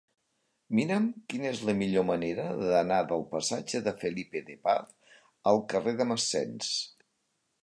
Mira'm quina és la millor manera d'anar del passatge de Felipe de Paz al carrer de Massens.